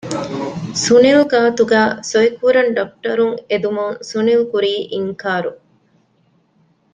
ސުނިލް ގާތުގައި ސޮއިކުރަން ޑޮކުޓަރުން އެދުމުން ސުނިލް ކުރީ އިންކާރު